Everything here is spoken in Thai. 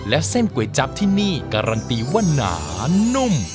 และเส้นก๋วยจั๊บที่นี่การันตีว่าหนานุ่ม